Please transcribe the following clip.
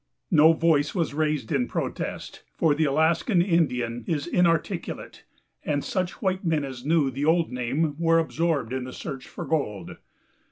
No voice was raised in protest, for the Alaskan Indian is inarticulate and such white men as knew the old name were absorbed in the search for gold.